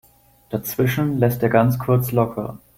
Dazwischen lässt er ganz kurz locker.